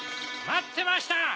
まってました！